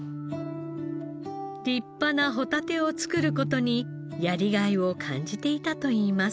立派なホタテを作る事にやりがいを感じていたといいます。